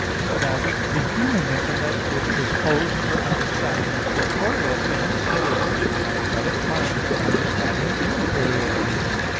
But as the human intellect is disposed for understanding corporeal things, so is the angelic mind for understanding immaterial things.